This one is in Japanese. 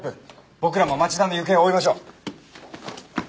僕らも町田の行方を追いましょう！